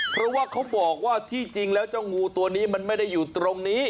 เพราะว่าเขาบอกว่าที่จริงแล้วเจ้างูตัวนี้มันไม่ได้อยู่ตรงนี้